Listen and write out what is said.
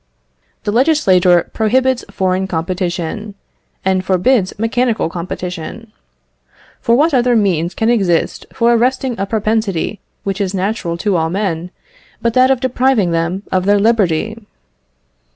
The legislator prohibits foreign competition, and forbids mechanical competition. For what other means can exist for arresting a propensity which is natural to all men, but that of depriving them of their liberty?